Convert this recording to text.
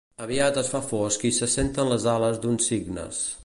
Aviat es fa fosc i se senten les ales d'uns cignes.